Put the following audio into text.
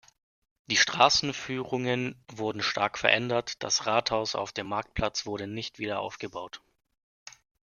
Die Straßenführungen wurden stark verändert, das Rathaus auf dem Marktplatz wurde nicht wieder aufgebaut.